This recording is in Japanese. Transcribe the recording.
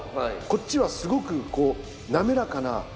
こっちはすごくこう滑らかな。